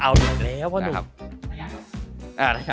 เอาเลยแล้วว่ะหนู